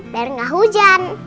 biar gak hujan